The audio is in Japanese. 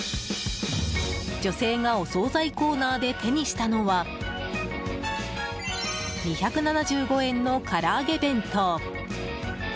女性がお総菜コーナーで手にしたのは２７５円のから揚げ弁当。